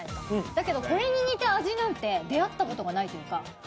だけど、これに似た味なんて出会ったことないっていうか